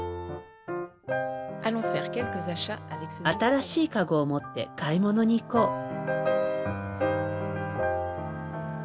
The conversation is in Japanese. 新しいかごを持って買い物に行こう。